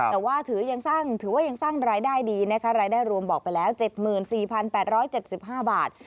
แต่ว่าถือว่ายังสร้างรายได้ดีนะคะรายได้รวมบอกไปแล้ว๗๔๘๗๕บาท